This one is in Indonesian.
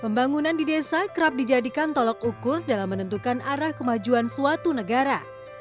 pembangunan di desa kerap dijadikan tolok ukur dalam menentukan arah kemajuan suatu negara